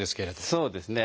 そうですね。